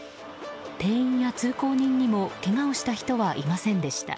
店員や通行人にもけがをした人はいませんでした。